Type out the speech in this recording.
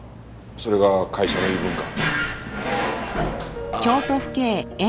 それが会社の言い分か。